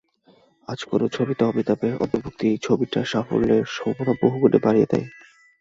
আজও কোনো ছবিতে অমিতাভের অন্তর্ভুক্তি ছবিটির সাফল্যের সম্ভাবনা বহু গুণ বাড়িয়ে দেয়।